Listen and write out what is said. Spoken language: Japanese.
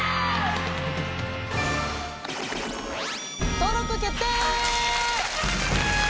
登録決定！